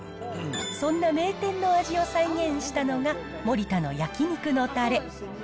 そんな名店の味を再現したのが、盛田の焼肉のたれ。